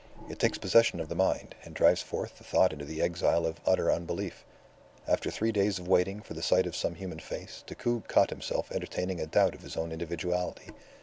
It takes possession of the mind, and drives forth the thought into the exile of utter unbelief. After three days of waiting for the sight of some human face, Decoud caught himself entertaining a doubt of his own individuality.